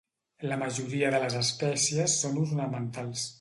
La majoria de les espècies són ornamentals.